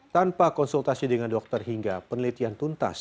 tanpa konsultasi dengan dokter hingga penelitian tuntas